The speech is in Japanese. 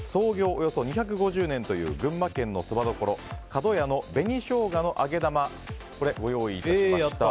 およそ２５０年という群馬県のそば処角弥の紅しょうがのあげ玉をご用意しました。